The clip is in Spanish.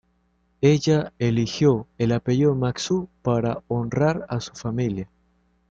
Ella eligió el apellido "Matsu" para honrar a su familia.